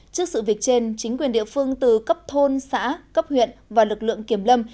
trước sự việc trên chính quyền địa phương từ cấp thôn xã cấp huyện và lực lượng kiểm lâm